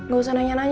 gak usah nanya nanya